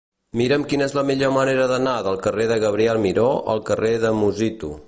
Mira'm quina és la millor manera d'anar del carrer de Gabriel Miró al carrer de Musitu.